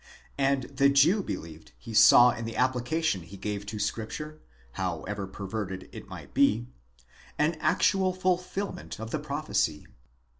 6 And. the Jew believed he saw in the application he gave to the Scripture, however perverted it might be, an actual fulfilment of the prophecy.